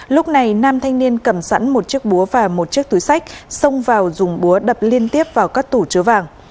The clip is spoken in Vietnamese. lúc này nam thanh niên cầm sẵn một chiếc búa và một chiếc túi sách xông vào dùng búa đập liên tiếp vào các tủ chứa vàng